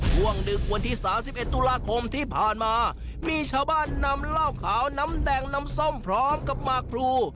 ดึกวันที่๓๑ตุลาคมที่ผ่านมามีชาวบ้านนำเหล้าขาวน้ำแดงน้ำส้มพร้อมกับหมากพลู